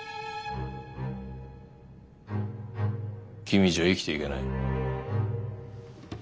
君じゃ生きていけない。